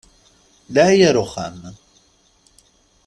Laɛi ar uxxam!